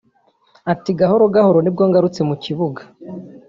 Ati’ "Gahoro gahoro nibwo ngarutse mu kibuga